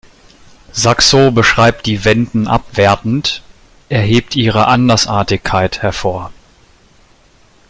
Saxo beschreibt die Wenden abwertend, er hebt ihre Andersartigkeit hervor.